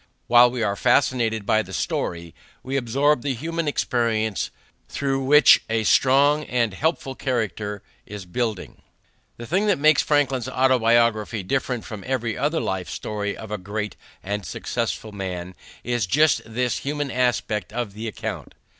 While we are fascinated by the story, we absorb the human experience through which a strong and helpful character is building. The thing that makes Franklin's Autobiography different from every other life story of a great and successful man is just this human aspect of the account.